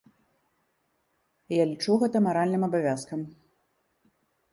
Я лічу гэта маральным абавязкам.